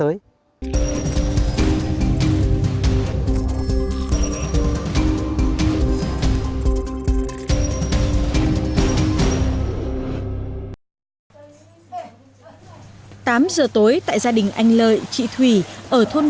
giờ tối nay tỉnh đâm hà có đến tám giờ tối tại gia đình anh lợi chị thủy ở thôn ba xã đâm hà huyện đâm hà tỉnh quảng ninh